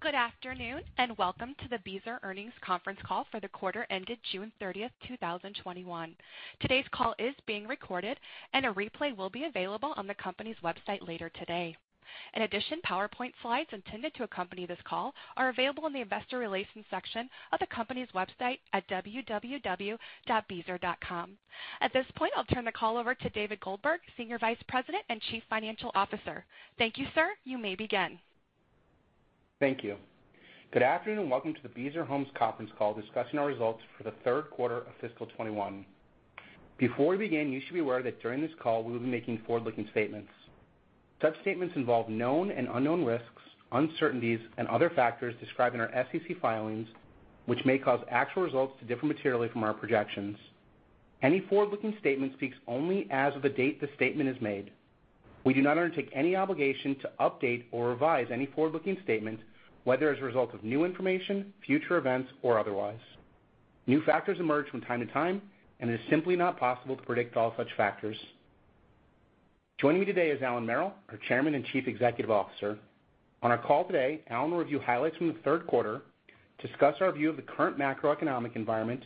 Good afternoon, welcome to the Beazer earnings conference call for the quarter ended June 30th, 2021. Today's call is being recorded, and a replay will be available on the company's website later today. In addition, PowerPoint slides intended to accompany this call are available in the investor relations section of the company's website at www.beazer.com. At this point, I'll turn the call over to David Goldberg, Senior Vice President and Chief Financial Officer. Thank you, sir. You may begin. Thank you. Good afternoon. Welcome to the Beazer Homes conference call discussing our results for the third quarter of fiscal 2021. Before we begin, you should be aware that during this call, we will be making forward-looking statements. Such statements involve known and unknown risks, uncertainties, and other factors described in our SEC filings, which may cause actual results to differ materially from our projections. Any forward-looking statement speaks only as of the date the statement is made. We do not undertake any obligation to update or revise any forward-looking statements, whether as a result of new information, future events, or otherwise. New factors emerge from time to time, and it is simply not possible to predict all such factors. Joining me today is Allan Merrill, our Chairman and Chief Executive Officer. On our call today, Allan will review highlights from the third quarter, discuss our view of the current macroeconomic environment,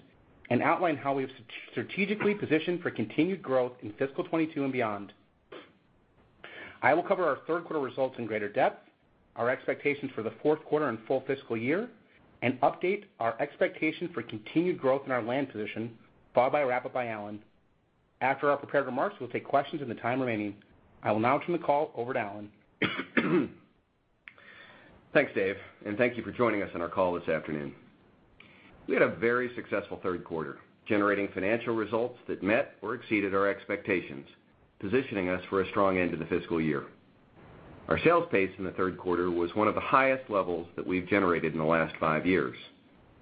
and outline how we have strategically positioned for continued growth in fiscal 2022 and beyond. I will cover our third quarter results in greater depth, our expectations for the fourth quarter and full fiscal year, and update our expectation for continued growth in our land position, followed by a wrap-up by Allan. After our prepared remarks, we'll take questions in the time remaining. I will now turn the call over to Allan. Thanks, Dave. Thank you for joining us on our call this afternoon. We had a very successful third quarter, generating financial results that met or exceeded our expectations, positioning us for a strong end to the fiscal year. Our sales pace in the third quarter was one of the highest levels that we've generated in the last five years.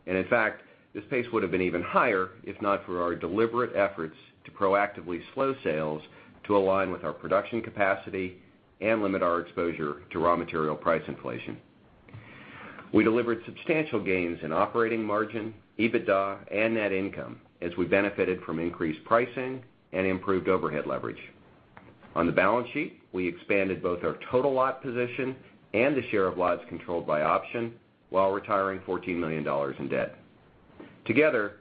In fact, this pace would have been even higher if not for our deliberate efforts to proactively slow sales to align with our production capacity and limit our exposure to raw material price inflation. We delivered substantial gains in operating margin, EBITDA, and net income as we benefited from increased pricing and improved overhead leverage. On the balance sheet, we expanded both our total lot position and the share of lots controlled by option while retiring $14 million in debt. Together,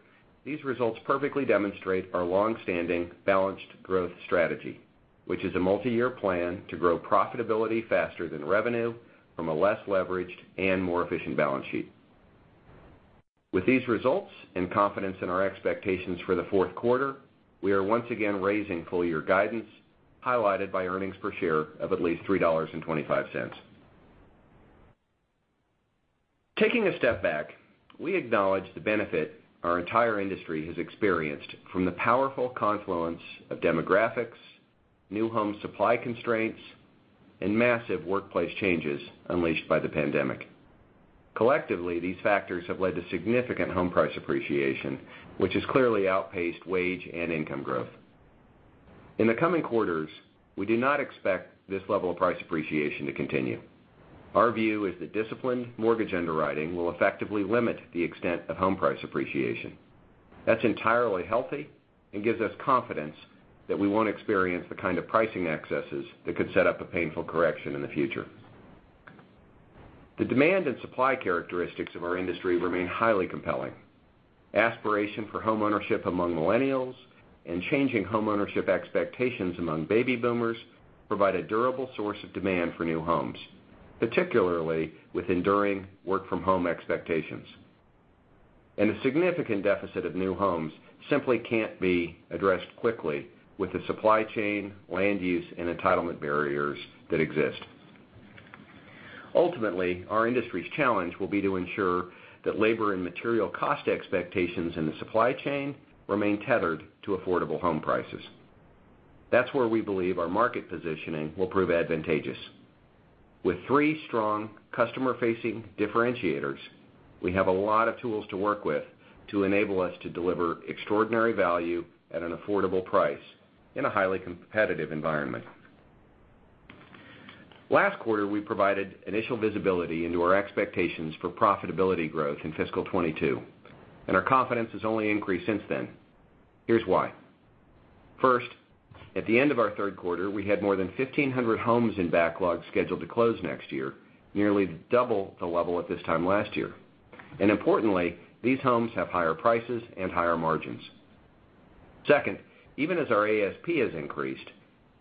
these results perfectly demonstrate our longstanding balanced growth strategy, which is a multi-year plan to grow profitability faster than revenue from a less leveraged and more efficient balance sheet. With these results and confidence in our expectations for the fourth quarter, we are once again raising full-year guidance, highlighted by earnings per share of at least $3.25. Taking a step back, we acknowledge the benefit our entire industry has experienced from the powerful confluence of demographics, new home supply constraints, and massive workplace changes unleashed by the pandemic. Collectively, these factors have led to significant home price appreciation, which has clearly outpaced wage and income growth. In the coming quarters, we do not expect this level of price appreciation to continue. Our view is that disciplined mortgage underwriting will effectively limit the extent of home price appreciation. That's entirely healthy and gives us confidence that we won't experience the kind of pricing excesses that could set up a painful correction in the future. The demand and supply characteristics of our industry remain highly compelling. Aspiration for homeownership among millennials and changing homeownership expectations among baby boomers provide a durable source of demand for new homes, particularly with enduring work-from-home expectations. A significant deficit of new homes simply can't be addressed quickly with the supply chain, land use, and entitlement barriers that exist. Ultimately, our industry's challenge will be to ensure that labor and material cost expectations in the supply chain remain tethered to affordable home prices. That's where we believe our market positioning will prove advantageous. With three strong customer-facing differentiators, we have a lot of tools to work with to enable us to deliver extraordinary value at an affordable price in a highly competitive environment. Last quarter, we provided initial visibility into our expectations for profitability growth in fiscal 2022, our confidence has only increased since then. Here's why. First, at the end of our third quarter, we had more than 1,500 homes in backlog scheduled to close next year, nearly double the level at this time last year. Importantly, these homes have higher prices and higher margins. Second, even as our ASP has increased,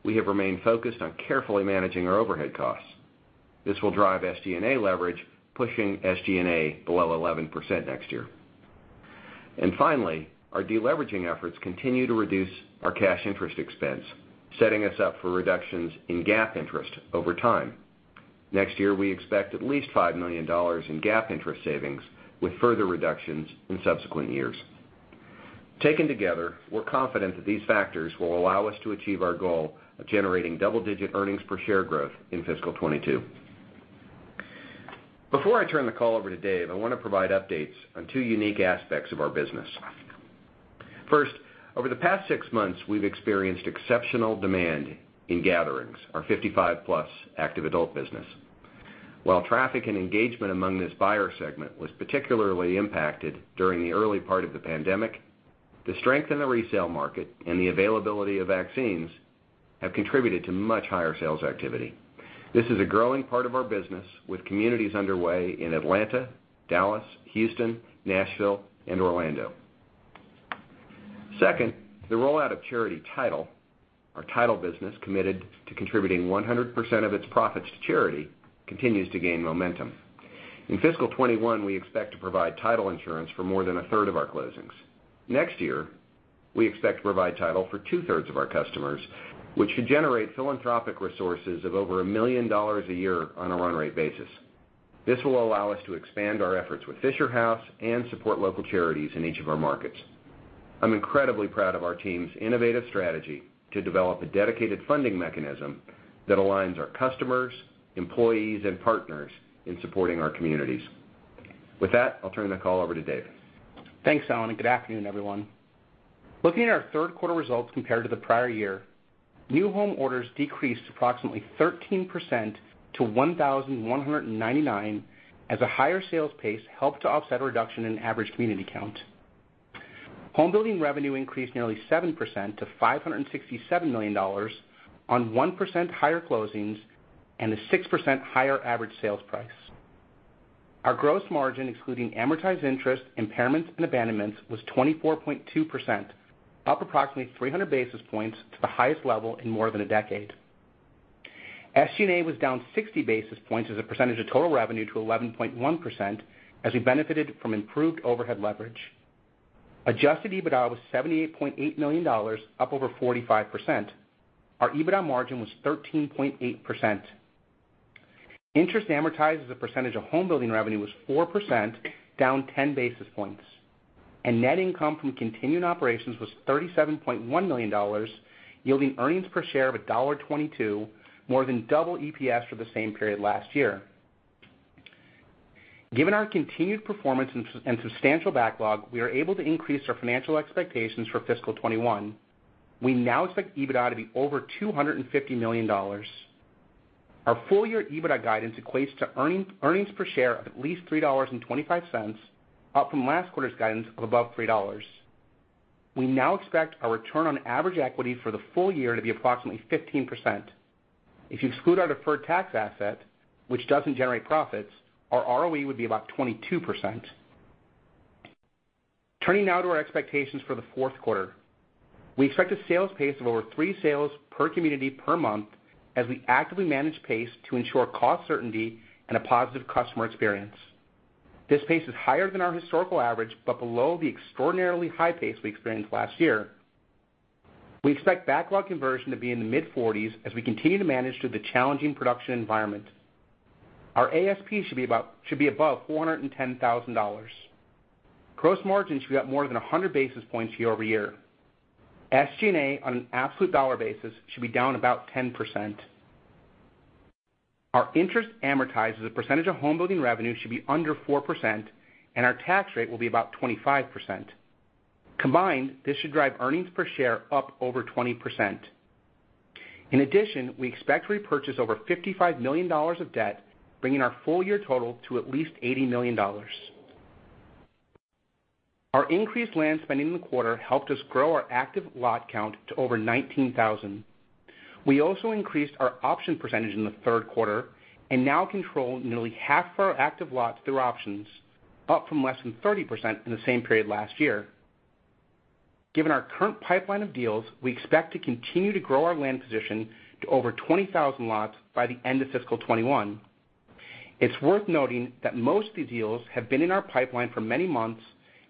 we have remained focused on carefully managing our overhead costs. This will drive SG&A leverage, pushing SG&A below 11% next year. Finally, our deleveraging efforts continue to reduce our cash interest expense, setting us up for reductions in GAAP interest over time. Next year, we expect at least $5 million in GAAP interest savings, with further reductions in subsequent years. Taken together, we're confident that these factors will allow us to achieve our goal of generating double-digit earnings per share growth in fiscal 2022. Before I turn the call over to Dave, I want to provide updates on two unique aspects of our business. First, over the past six months, we've experienced exceptional demand in Gatherings, our 55+ active adult business. While traffic and engagement among this buyer segment was particularly impacted during the early part of the pandemic, the strength in the resale market and the availability of vaccines have contributed to much higher sales activity. This is a growing part of our business with communities underway in Atlanta, Dallas, Houston, Nashville, and Orlando. Second, the rollout of Charity Title, our title business committed to contributing 100% of its profits to charity, continues to gain momentum. In fiscal 2021, we expect to provide title insurance for more than a third of our closings. Next year, we expect to provide title for 2/3 of our customers, which should generate philanthropic resources of over $1 million a year on a run-rate basis. This will allow us to expand our efforts with Fisher House and support local charities in each of our markets. I'm incredibly proud of our team's innovative strategy to develop a dedicated funding mechanism that aligns our customers, employees, and partners in supporting our communities. With that, I'll turn the call over to Dave. Thanks, Allan, good afternoon, everyone. Looking at our third quarter results compared to the prior year, new home orders decreased approximately 13% to 1,199, as a higher sales pace helped to offset a reduction in average community count. Home building revenue increased nearly 7% to $567 million on 1% higher closings and a 6% higher average sales price. Our gross margin, excluding amortized interest, impairments, and abandonments, was 24.2%, up approximately 300 basis points to the highest level in more than a decade. SG&A was down 60 basis points as a percentage of total revenue to 11.1% as we benefited from improved overhead leverage. Adjusted EBITDA was $78.8 million, up over 45%. Our EBITDA margin was 13.8%. Interest amortized as a percentage of home building revenue was 4%, down 10 basis points, net income from continuing operations was $37.1 million, yielding earnings per share of $1.22, more than double EPS for the same period last year. Given our continued performance and substantial backlog, we are able to increase our financial expectations for fiscal 2021. We now expect EBITDA to be over $250 million. Our full-year EBITDA guidance equates to earnings per share of at least $3.25, up from last quarter's guidance of above $3. We now expect our return on average equity for the full year to be approximately 15%. If you exclude our deferred tax asset, which doesn't generate profits, our ROE would be about 22%. Turning now to our expectations for the fourth quarter. We expect a sales pace of over three sales per community per month as we actively manage pace to ensure cost certainty and a positive customer experience. This pace is higher than our historical average, but below the extraordinarily high pace we experienced last year. We expect backlog conversion to be in the mid-40s as we continue to manage through the challenging production environment. Our ASP should be above $410,000. Gross margin should be up more than 100 basis points year-over-year. SG&A on an absolute dollar basis should be down about 10%. Our interest amortized as a percentage of home building revenue should be under 4%, and our tax rate will be about 25%. Combined, this should drive earnings per share up over 20%. In addition, we expect to repurchase over $55 million of debt, bringing our full-year total to at least $80 million. Our increased land spending in the quarter helped us grow our active lot count to over 19,000. We also increased our option percentage in the third quarter and now control nearly half of our active lots through options, up from less than 30% in the same period last year. Given our current pipeline of deals, we expect to continue to grow our land position to over 20,000 lots by the end of fiscal 2021. It's worth noting that most of these deals have been in our pipeline for many months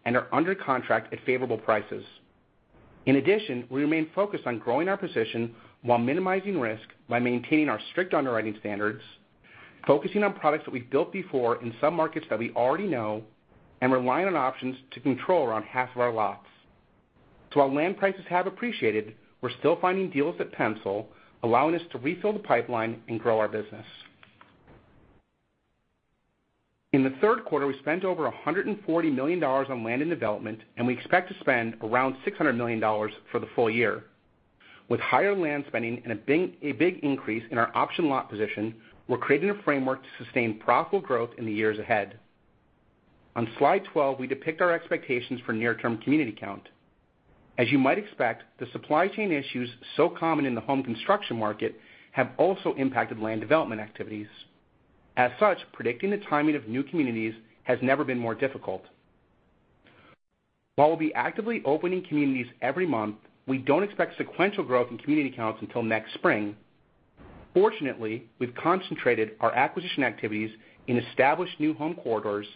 and are under contract at favorable prices. We remain focused on growing our position while minimizing risk by maintaining our strict underwriting standards, focusing on products that we've built before in some markets that we already know, and relying on options to control around half of our lots. While land prices have appreciated, we're still finding deals that pencil, allowing us to refill the pipeline and grow our business. In the third quarter, we spent over $140 million on land and development, and we expect to spend around $600 million for the full year. With higher land spending and a big increase in our option lot position, we're creating a framework to sustain profitable growth in the years ahead. On slide 12, we depict our expectations for near-term community count. As you might expect, the supply chain issues so common in the home construction market have also impacted land development activities. Predicting the timing of new communities has never been more difficult. While we'll be actively opening communities every month, we don't expect sequential growth in community counts until next spring. Fortunately, we've concentrated our acquisition activities in established new home corridors,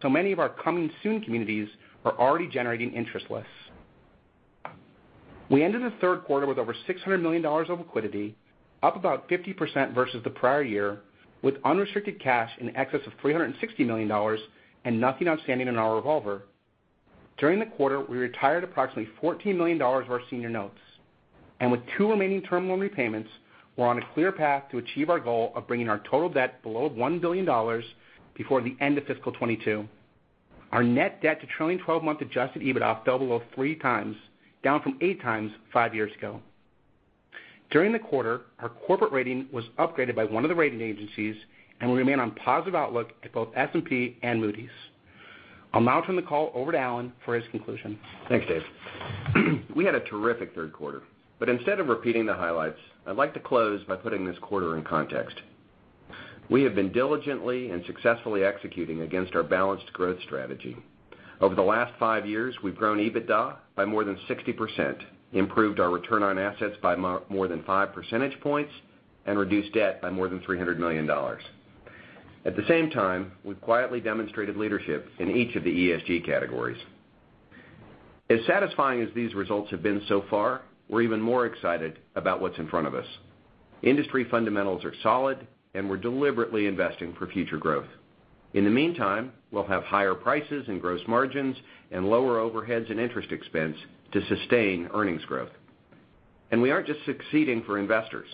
so many of our coming soon communities are already generating interest lists. We ended the third quarter with over $600 million of liquidity, up about 50% versus the prior year, with unrestricted cash in excess of $360 million and nothing outstanding on our revolver. During the quarter, we retired approximately $14 million of our senior notes. With two remaining term loan repayments, we're on a clear path to achieve our goal of bringing our total debt below $1 billion before the end of fiscal 2022. Our net debt to trailing 12-month adjusted EBITDA fell below three times, down from eight times five years ago. During the quarter, our corporate rating was upgraded by one of the rating agencies, and we remain on positive outlook at both S&P and Moody's. I'll now turn the call over to Allan for his conclusion. Thanks, Dave. We had a terrific third quarter. Instead of repeating the highlights, I'd like to close by putting this quarter in context. We have been diligently and successfully executing against our balanced growth strategy. Over the last five years, we've grown EBITDA by more than 60%, improved our return on assets by more than 5 percentage points, and reduced debt by more than $300 million. At the same time, we've quietly demonstrated leadership in each of the ESG categories. As satisfying as these results have been so far, we're even more excited about what's in front of us. Industry fundamentals are solid, and we're deliberately investing for future growth. In the meantime, we'll have higher prices and gross margins and lower overheads and interest expense to sustain earnings growth. We aren't just succeeding for investors.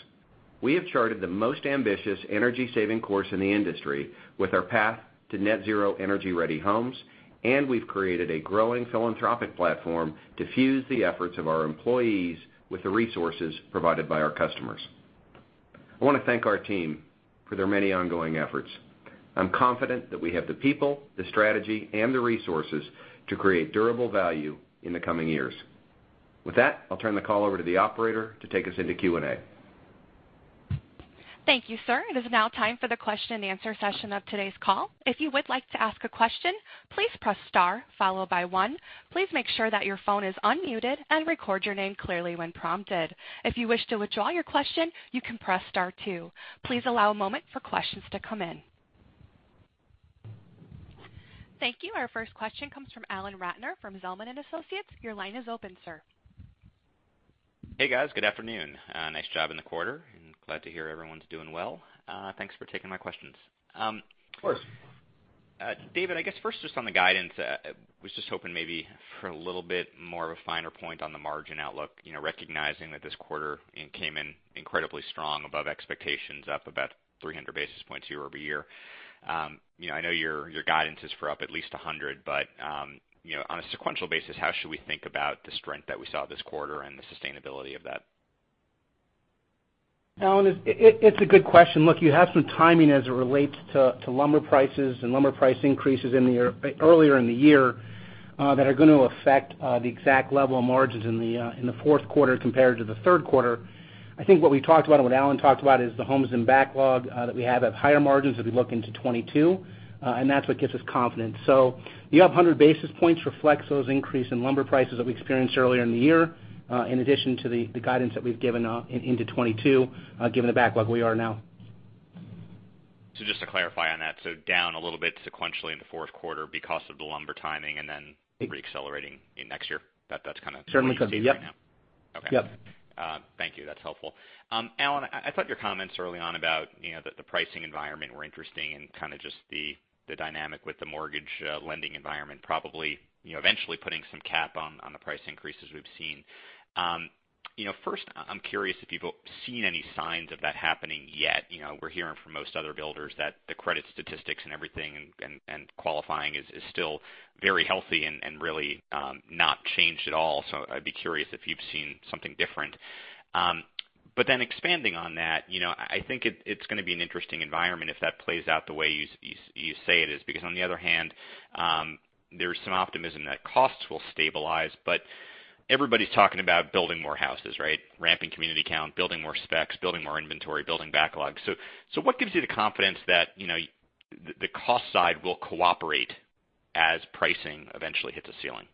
We have charted the most ambitious energy-saving course in the industry with our path to Zero Energy Ready Home, and we've created a growing philanthropic platform to fuse the efforts of our employees with the resources provided by our customers. I want to thank our team for their many ongoing efforts. I'm confident that we have the people, the strategy, and the resources to create durable value in the coming years. With that, I'll turn the call over to the operator to take us into Q&A. Thank you, sir. It is now time for the question and answer session of today's call. If you would like to ask a question, please press star, followed by one. Please make sure that your phone is unmuted and record your name clearly when prompted. If you wish to withdraw your question, you can press star two. Please allow a moment for questions to come in. Thank you. Our first question comes from Alan Ratner from Zelman & Associates. Your line is open, sir. Hey, guys. Good afternoon. Nice job in the quarter, and glad to hear everyone's doing well. Thanks for taking my questions. Of course. David, I guess first just on the guidance, I was just hoping maybe for a little bit more of a finer point on the margin outlook, recognizing that this quarter came in incredibly strong above expectations, up about 300 basis points year-over-year. I know your guidance is for up at least 100, but on a sequential basis, how should we think about the strength that we saw this quarter and the sustainability of that? Alan, it's a good question. Look, you have some timing as it relates to lumber prices and lumber price increases earlier in the year that are going to affect the exact level of margins in the fourth quarter compared to the third quarter. I think what we talked about and what Allan talked about is the homes and backlog that we have at higher margins as we look into 2022, and that's what gives us confidence. The up 100 basis points reflects those increase in lumber prices that we experienced earlier in the year, in addition to the guidance that we've given into 2022, given the backlog we are now. Just to clarify on that, so down a little bit sequentially in the fourth quarter because of the lumber timing and then re-accelerating in next year. Certainly could be, yep. what you see right now. Okay. Yep. Thank you. That's helpful. Allan, I thought your comments early on about the pricing environment were interesting and kind of just the dynamic with the mortgage lending environment, probably eventually putting some cap on the price increases we've seen. First, I'm curious if you've seen any signs of that happening yet. We're hearing from most other builders that the credit statistics and everything and qualifying is still very healthy and really not changed at all. I'd be curious if you've seen something different. Expanding on that, I think it's going to be an interesting environment if that plays out the way you say it is, because on the other hand, there's some optimism that costs will stabilize, but everybody's talking about building more houses, right? Ramping community count, building more specs, building more inventory, building backlogs. What gives you the confidence that the cost side will cooperate as pricing eventually hits a ceiling?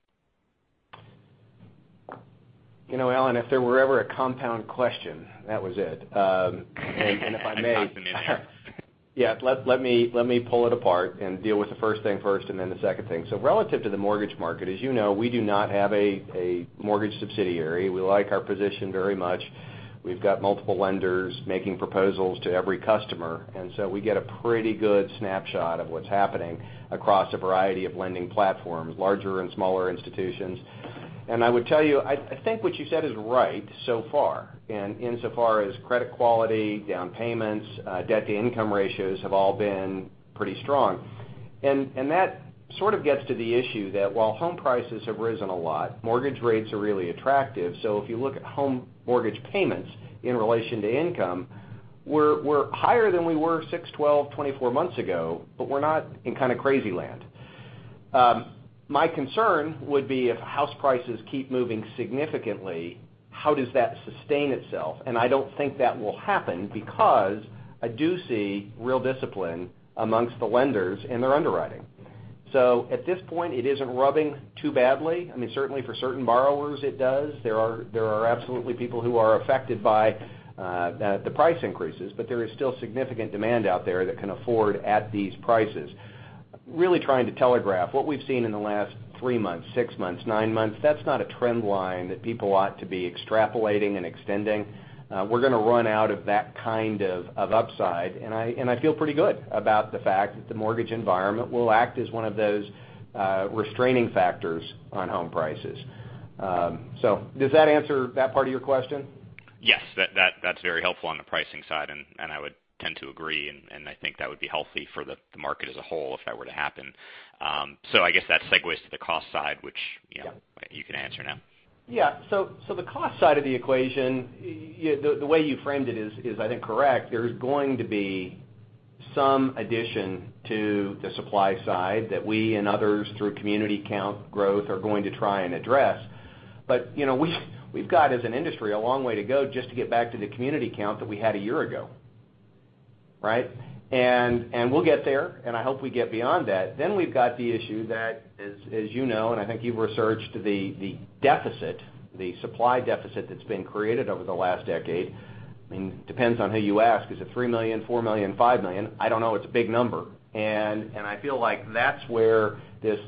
Allan, if there were ever a compound question, that was it. I'm not familiar. Let me pull it apart and deal with the first thing first and then the second thing. Relative to the mortgage market, as you know, we do not have a mortgage subsidiary. We like our position very much. We've got multiple lenders making proposals to every customer, and so we get a pretty good snapshot of what's happening across a variety of lending platforms, larger and smaller institutions. I would tell you, I think what you said is right so far. Insofar as credit quality, down payments, debt-to-income ratios have all been pretty strong. That sort of gets to the issue that while home prices have risen a lot, mortgage rates are really attractive. If you look at home mortgage payments in relation to income, we're higher than we were six, 12, 24 months ago, but we're not in kind of crazy land. My concern would be if house prices keep moving significantly, how does that sustain itself? I don't think that will happen because I do see real discipline amongst the lenders in their underwriting. At this point, it isn't rubbing too badly. I mean, certainly for certain borrowers, it does. There are absolutely people who are affected by the price increases, there is still significant demand out there that can afford at these prices. Really trying to telegraph what we've seen in the last three months, six months, nine months, that's not a trend line that people ought to be extrapolating and extending. We're going to run out of that kind of upside, I feel pretty good about the fact that the mortgage environment will act as one of those restraining factors on home prices. Does that answer that part of your question? Yes. That's very helpful on the pricing side, and I would tend to agree, and I think that would be healthy for the market as a whole if that were to happen. I guess that segues to the cost side, which you can answer now. Yeah. The cost side of the equation, the way you framed it is I think correct. There's going to be some addition to the supply side that we and others through community count growth are going to try and address. We've got, as an industry, a long way to go just to get back to the community count that we had one year ago. Right? We'll get there, and I hope we get beyond that. We've got the issue that, as you know, I think you've researched the supply deficit that's been created over the last decade. Depends on who you ask. Is it $3 million, $4 million, $5 million? I don't know. It's a big number. I feel like that's where this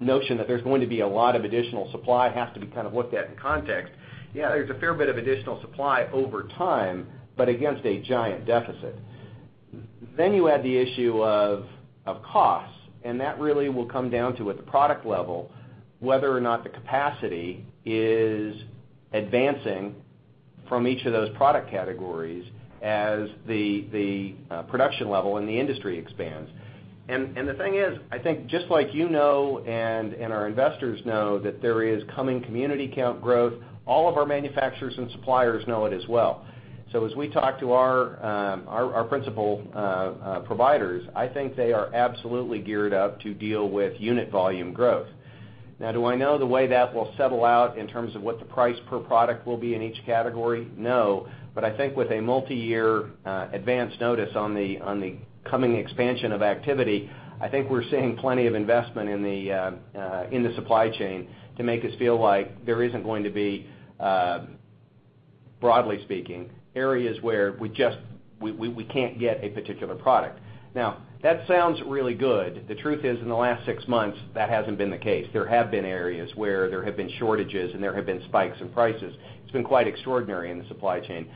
notion that there's going to be a lot of additional supply has to be kind of looked at in context. Yeah, there's a fair bit of additional supply over time, but against a giant deficit. You add the issue of costs, and that really will come down to at the product level, whether or not the capacity is advancing from each of those product categories as the production level in the industry expands. The thing is, I think, just like you know and our investors know, that there is coming community count growth. All of our manufacturers and suppliers know it as well. As we talk to our principal providers, I think they are absolutely geared up to deal with unit volume growth. Do I know the way that will settle out in terms of what the price per product will be in each category? No. I think with a multi-year advance notice on the coming expansion of activity, I think we're seeing plenty of investment in the supply chain to make us feel like there isn't going to be, broadly speaking, areas where we can't get a particular product. That sounds really good. The truth is, in the last six months, that hasn't been the case. There have been areas where there have been shortages and there have been spikes in prices. It's been quite extraordinary in the supply chain.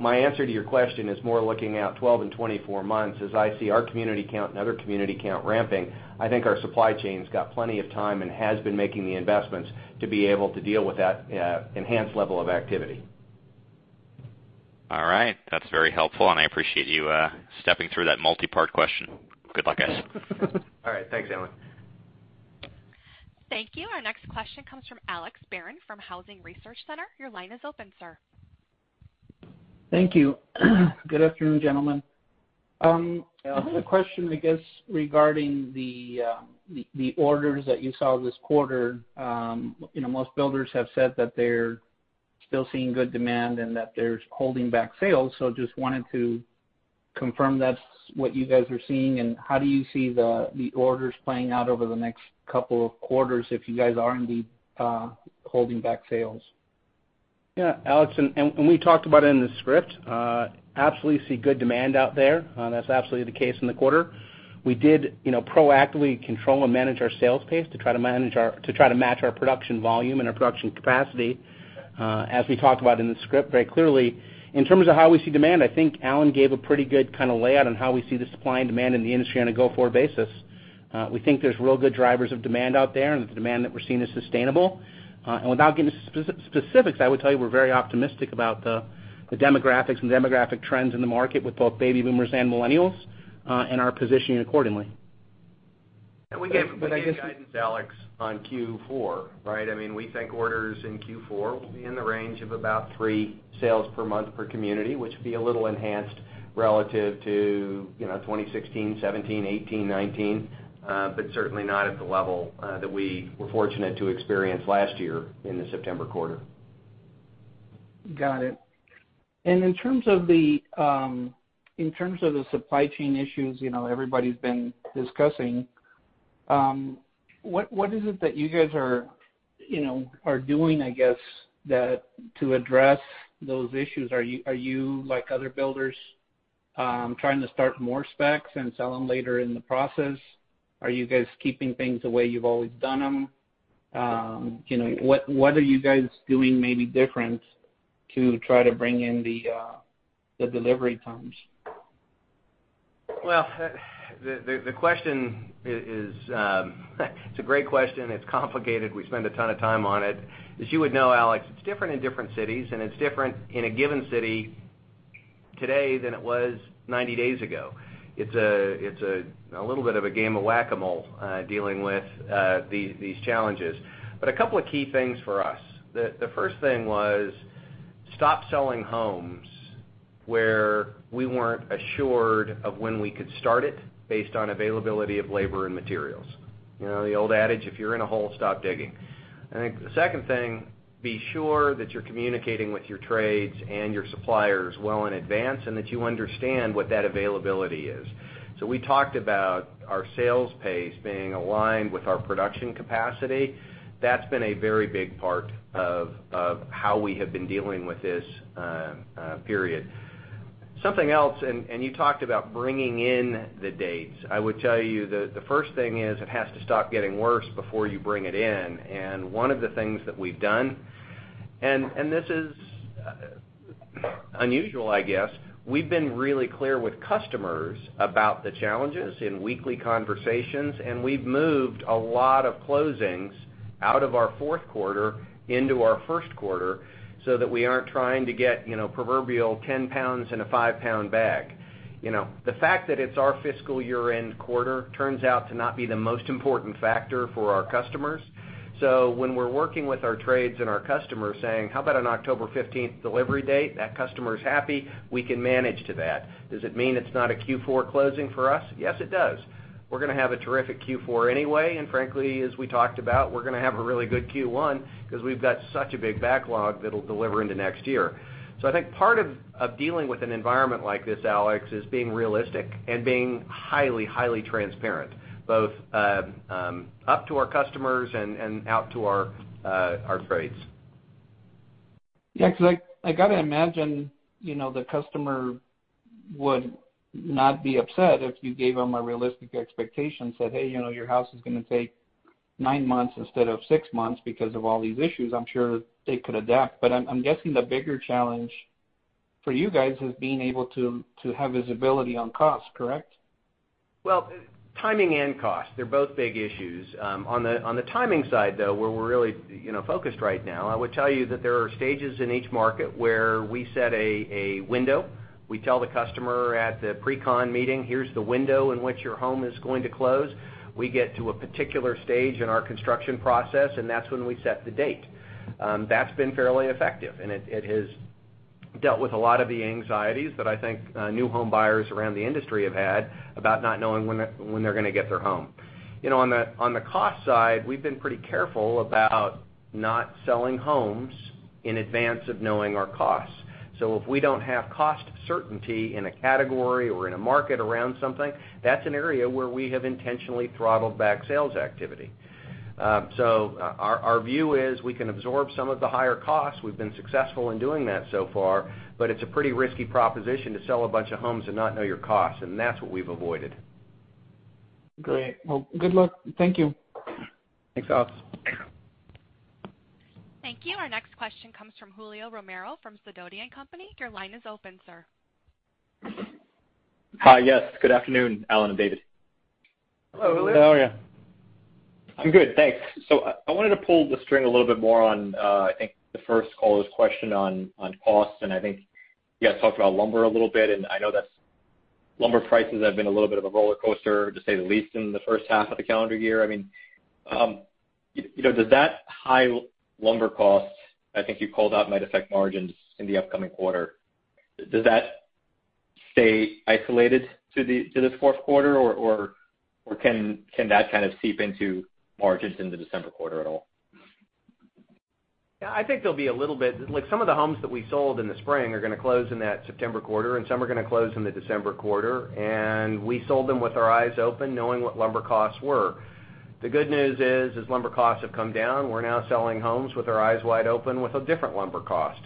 My answer to your question is more looking out 12 and 24 months as I see our community count and other community count ramping. I think our supply chain's got plenty of time and has been making the investments to be able to deal with that enhanced level of activity. All right. That's very helpful, and I appreciate you stepping through that multi-part question. Good luck, guys. All right. Thanks, Alan. Thank you. Our next question comes from Alex Barron from Housing Research Center. Your line is open, sir. Thank you. Good afternoon, gentlemen. A question, I guess, regarding the orders that you saw this quarter. Most builders have said that they're still seeing good demand and that there's holding back sales. Just wanted to confirm that's what you guys are seeing, and how do you see the orders playing out over the next couple of quarters if you guys are indeed holding back sales? Yeah, Alex, we talked about it in the script. Absolutely see good demand out there. That's absolutely the case in the quarter. We did proactively control and manage our sales pace to try to match our production volume and our production capacity, as we talked about in the script very clearly. In terms of how we see demand, I think Allan gave a pretty good kind of layout on how we see the supply and demand in the industry on a go-forward basis. We think there's real good drivers of demand out there, and the demand that we're seeing is sustainable. Without getting into specifics, I would tell you we're very optimistic about the demographics and demographic trends in the market with both baby boomers and millennials, and are positioning accordingly. We gave guidance. But I guess. Alex, on Q4, right? We think orders in Q4 will be in the range of about three sales per month per community, which would be a little enhanced relative to 2016, 2017, 2018, 2019. Certainly not at the level that we were fortunate to experience last year in the September quarter. Got it. In terms of the supply chain issues everybody's been discussing, what is it that you guys are doing, I guess, to address those issues? Are you, like other builders, trying to start more specs and sell them later in the process? Are you guys keeping things the way you've always done them? What are you guys doing maybe different to try to bring in the delivery times? Well, the question it's a great question. It's complicated. We spend a ton of time on it. As you would know, Alex, it's different in different cities, and it's different in a given city today than it was 90 days ago. It's a little bit of a game of Whac-A-Mole dealing with these challenges. A couple of key things for us. The first thing was stop selling homes where we weren't assured of when we could start it based on availability of labor and materials. You know the old adage, if you're in a hole, stop digging. I think the second thing, be sure that you're communicating with your trades and your suppliers well in advance and that you understand what that availability is. We talked about our sales pace being aligned with our production capacity. That's been a very big part of how we have been dealing with this period. Something else, you talked about bringing in the dates. I would tell you the first thing is it has to stop getting worse before you bring it in. One of the things that we've done, and this is unusual, I guess, we've been really clear with customers about the challenges in weekly conversations, and we've moved a lot of closings out of our fourth quarter into our first quarter, so that we aren't trying to get proverbial 10 pounds in a five-pound bag. The fact that it's our fiscal year-end quarter turns out to not be the most important factor for our customers. When we're working with our trades and our customers saying, "How about an October 15th delivery date?" That customer is happy, we can manage to that. Does it mean it's not a Q4 closing for us? Yes, it does. We're going to have a terrific Q4 anyway. Frankly, as we talked about, we're going to have a really good Q1 because we've got such a big backlog that'll deliver into next year. I think part of dealing with an environment like this, Alex, is being realistic and being highly transparent, both up to our customers and out to our trades. Yeah, I got to imagine the customer would not be upset if you gave them a realistic expectation, said, "Hey, your house is going to take nine months instead of six months because of all these issues." I'm sure they could adapt, but I'm guessing the bigger challenge for you guys is being able to have visibility on cost, correct? Timing and cost, they're both big issues. On the timing side, though, where we're really focused right now, I would tell you that there are stages in each market where we set a window. We tell the customer at the pre-con meeting, "Here's the window in which your home is going to close." We get to a particular stage in our construction process, that's when we set the date. That's been fairly effective, it has dealt with a lot of the anxieties that I think new home buyers around the industry have had about not knowing when they're going to get their home. On the cost side, we've been pretty careful about not selling homes in advance of knowing our costs. If we don't have cost certainty in a category or in a market around something, that's an area where we have intentionally throttled back sales activity. Our view is we can absorb some of the higher costs. We've been successful in doing that so far, but it's a pretty risky proposition to sell a bunch of homes and not know your costs, and that's what we've avoided. Great. Well, good luck. Thank you. Thanks, Alex. Thank you. Our next question comes from Julio Romero from Sidoti & Company. Your line is open, sir. Hi, yes. Good afternoon, Allan and David. Hello, Julio. How are you? I'm good, thanks. I wanted to pull the string a little bit more on, I think, the first caller's question on costs, and I think you guys talked about lumber a little bit, and I know that lumber prices have been a little bit of a roller coaster, to say the least, in the first half of the calendar year. Does that high lumber cost, I think you called out might affect margins in the upcoming quarter, does that stay isolated to this fourth quarter, or can that kind of seep into margins in the December quarter at all? I think there'll be a little bit. Some of the homes that we sold in the spring are going to close in that September quarter, and some are going to close in the December quarter, and we sold them with our eyes open, knowing what lumber costs were. The good news is, as lumber costs have come down, we're now selling homes with our eyes wide open with a different lumber cost.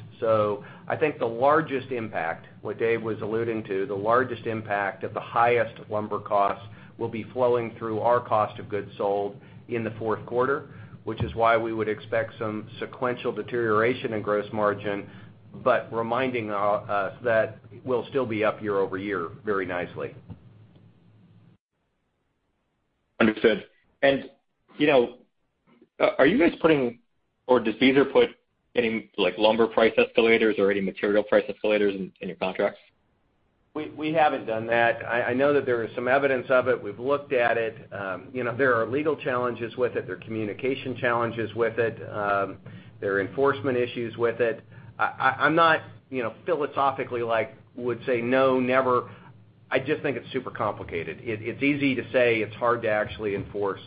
I think the largest impact, what Dave was alluding to, the largest impact of the highest lumber costs will be flowing through our cost of goods sold in the 4th quarter, which is why we would expect some sequential deterioration in gross margin, but reminding us that we'll still be up year-over-year very nicely. Understood. Are you guys putting, or does Beazer put any lumber price escalators or any material price escalators in your contracts? We haven't done that. I know that there is some evidence of it. We've looked at it. There are legal challenges with it. There are communication challenges with it. There are enforcement issues with it. I'm not philosophically would say, "No, never." I just think it's super complicated. It's easy to say, it's hard to actually enforce.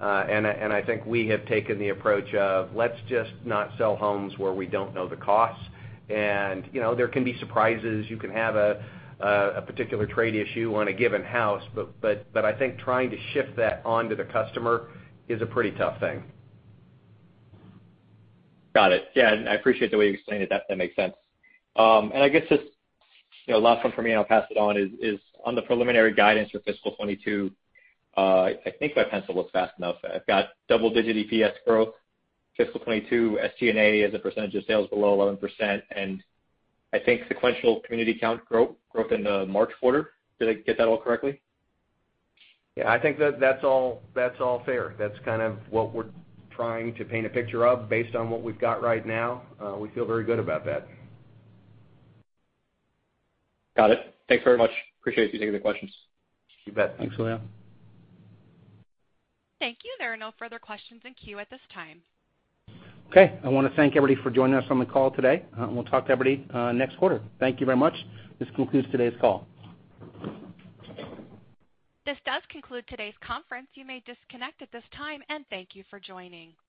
I think we have taken the approach of let's just not sell homes where we don't know the costs. There can be surprises. You can have a particular trade issue on a given house, but I think trying to shift that onto the customer is a pretty tough thing. Got it. Yeah, I appreciate the way you explained it. That makes sense. I guess just last one from me, and I'll pass it on, is on the preliminary guidance for fiscal 2022. I think my pencil was fast enough. I've got double-digit EPS growth, fiscal 2022 SG&A as a percentage of sales below 11%, and I think sequential community count growth in the March quarter. Did I get that all correctly? Yeah, I think that's all fair. That's kind of what we're trying to paint a picture of based on what we've got right now. We feel very good about that. Got it. Thanks very much. Appreciate you taking the questions. You bet. Thanks, Julio. Thank you. There are no further questions in queue at this time. Okay. I want to thank everybody for joining us on the call today, and we'll talk to everybody next quarter. Thank you very much. This concludes today's call. This does conclude today's conference. You may disconnect at this time, and thank you for joining.